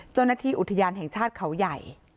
เจ้าหน้าที่อุทยานแห่งชาติเขาใหญ่